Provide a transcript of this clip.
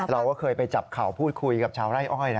เราก็เคยไปจับเข่าพูดคุยกับชาวไร่อ้อยนะ